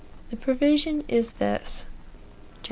The provision is this: Chap.